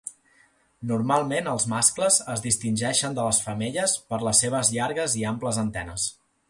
Normalment els mascles es distingeixen de les femelles per les seves llargues i amples antenes.